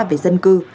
về dân cư